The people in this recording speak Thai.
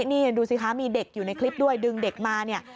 นี่ดูสิคะมีเด็กอยู่ในคลิปด้วยดึงเด็กมาเนี่ย